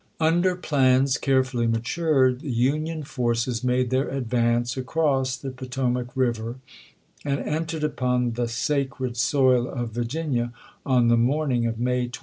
Under plans caref uUy matured, the Union forces made their advance across the Potomac River, and entered upon the " sacred soil " of Virginia, on the morning of May 24.